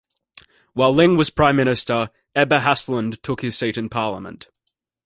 While Lyng was Prime Minister Ebba Haslund took his seat in parliament.